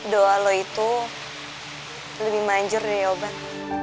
doa lo itu lebih manjur ya oban